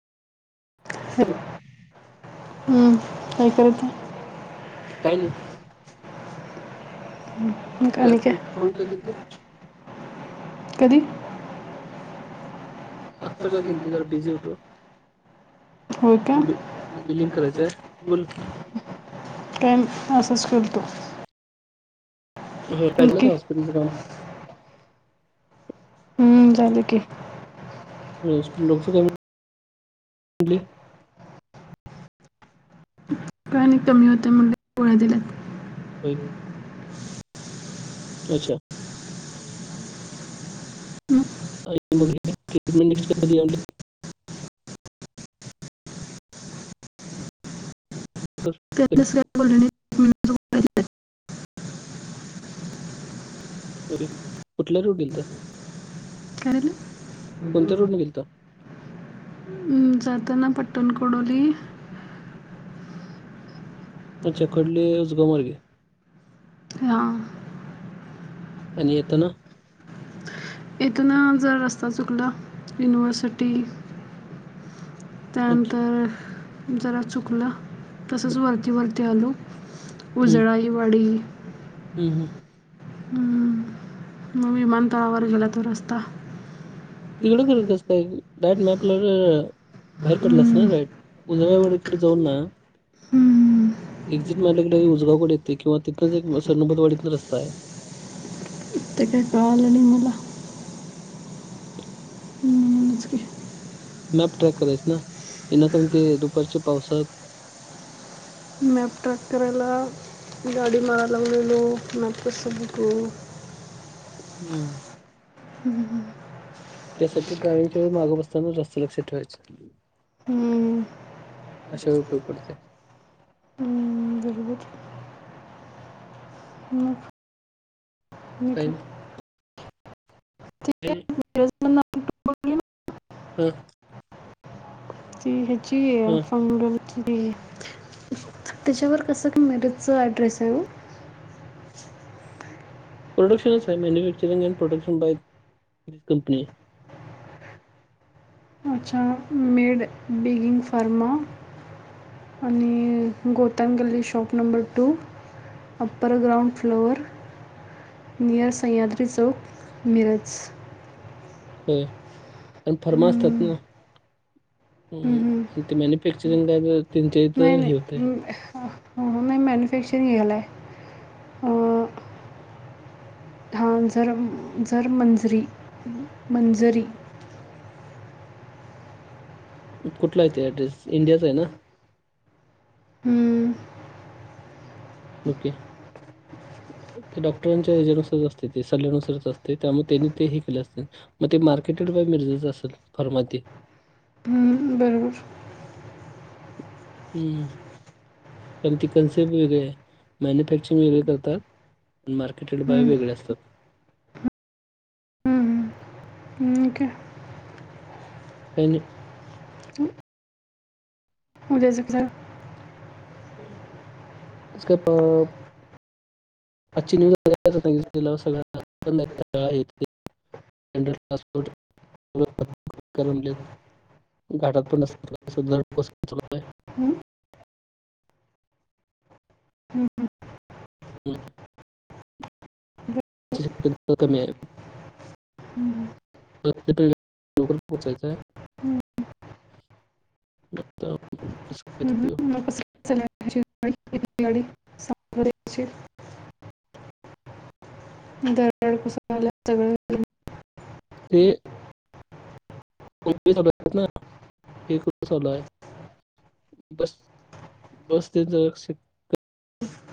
हम्म काय करत. काही नाही [unintelligible] नका काय नक फोन फोन का केलते कधी? आत्ता काय गलती तर बिझी होतो. होय का बि बिलिंग करायचंय बोल. प्रइम असाज करतो. हो पाहिलं नक्की का हॉस्पिटलचं काम ह् झाले की लोकस का म्ह का आणि कमी होत्या मुं गोळा्या दिल्यात. हो. अच्छा. मग आणि मग ट्रीटमेंट डॉक्टर [unintelligible] के कुठल्या रूट येेल तर काय झालं? कोणत्या रोड निघेलत. जातना पट्टणकुडोली अच्छा कडली उजगमर्गे हा. आणि येेत ना. येथ ना जर रस्ता चुकला युनिव्हर्सिटी [unintelligible] अच्छा त्यानंतर जरा चुकलं तसच वरती वरती आलो. हम्म, उजळाईवाडी हम्म, हम्म. हम्म, मग विमानतळावर गेला तो रस्ता तिकडं करतस काय राईट मॅपला बाहेर पडलं असत ना हम्म. राईट उजळ्यावाडीकडे जाऊन ना हम्म, एक्झिट मारल्याकडे उजगावकडे येत किंवा तिथनच एक सरणुबतवाडीतन रस्ता आहे. ते काय कालणी मुला म मज घ मॅप ट्रॅक करायच ना येनाकरण ते दुपारच्या पावसात मॅपटॉप करायला गाडी मारायला उलेलो नापपस बटो हम्म. हं ह. त्यासाठी ड्रायविंगच्या वेळी मागे बसताना रस्त लक्षात ठेवायच. हम्म, अशा उपटग पडते. हम्म, बरोबर ह. काल- ह. [unintelligible] हम. त ह्याची हा फंगल त्याच्यावर कसं मेरेजचा ऍड्रेस आहे. [unintelligible] प्रोडक्शच आहे मॅ्यक् चिरंजन प्रोडक्शन बाय कंपनी अच्छा मेड बेगिन फारमा आणि गौतन गल्ली shop number two upper ground floor near Sahyadri चौक मिरज हो आणि फर्माासतात हं, ना. हं, हं. हम् ते मॅन्युफॅक्चरिंग का त्यांच्या नाही, तर हे नाही. होतय. अं, हो, हो नाही मॅन्युफॅक्चरिंग गला आहे. हा जर जर मंजरी मंजरी कुठला आहे ते ऍड्रेस इंडियाचा आहे ना. हं, ओके. [unintelligible] ते डॉक्टरांच्यानुसच असते सल्ल्यानुसारच असते त्यामुळे त्यांनी ते केले अस मग ते मार्केटे मिर्जा असल फरमात हम्म बरोबर. हम्म कार त कन्सेप्ट वेगरे आहे मॅन्युफॅक्चरिंग वगरे करतात. पण मार्केट बाय वेगळे असतात. हा. काय नाही. उद्या [unintelligible] [unintelligible] आजची न्यूज सगळ्यांना लई कटाळा येतोय [unintelligible] घाटात पण असय [unintelligible] [inaudible] हं. हम बरं. [unintelligible] हं, हं. परत तिथ लवकर पोहोचायचंय. [unintelligible] हम् हम [unintelligible] [unintelligible] दरड कसं झाला सगळं ते [unintelligible] ना एक चालू हाय बस बस ते [unintelligible]